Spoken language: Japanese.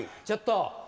ちょっと！